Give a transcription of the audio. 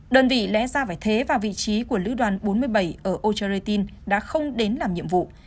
đơn vị lẽ ra phải thế và vị trí của lữ đoàn bốn mươi bảy ở ocherretin đã không đến làm nhiệm vụ